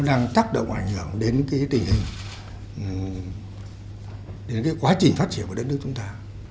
đang tác động ảnh hưởng đến quá trình phát triển của đất nước chúng ta